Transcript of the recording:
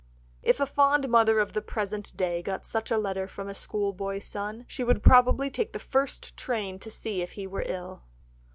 If a fond mother of the present day got such a letter from a schoolboy son she would probably take the first train to see if he were ill!